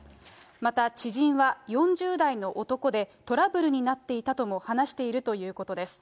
また知人は４０代の男でトラブルになっていたとも話しているということです。